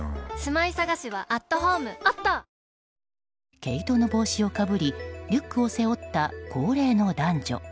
毛糸の帽子をかぶりリュックを背負った高齢の男女。